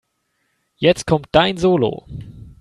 Jetzt kommt dein Solo.